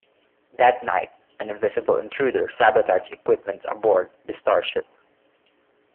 That night, an invisible intruder sabotages equipment aboard the starship.